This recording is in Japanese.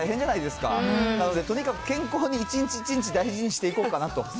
なので、とにかく健康に、一日一日、大事にしていこうかなと。